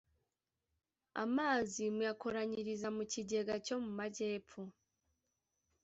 Amazi muyakoranyiriza mu kigega cyo mu majyepfo,